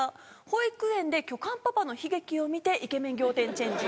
保育園で巨漢パパの悲劇を見てイケメン仰天チェンジ。